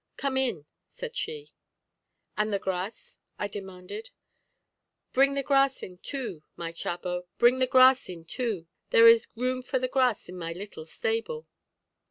"Come in," said she. "And the gras?" I demanded. "Bring the gras in too, my chabó, bring the gras in too; there is room for the gras in my little stable."